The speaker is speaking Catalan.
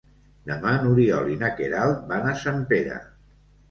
Demà n'Oriol i na Queralt van a Sempere.